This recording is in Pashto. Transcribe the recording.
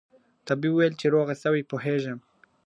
طبیب وویل چي روغه سوې پوهېږم !.